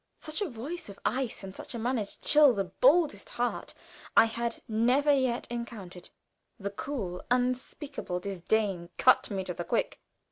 Such a voice of ice, and such a manner, to chill the boldest heart, I had never yet encountered. The cool, unspeakable disdain cut me to the quick.